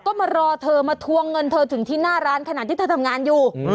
ก็มารอเธอมาทวงเงินเธอถึงที่หน้าร้านขนาดที่เธอทำงานอยู่